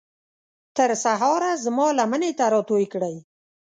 تر سهاره زما لمنې ته راتوی کړئ